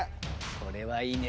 これはいいね。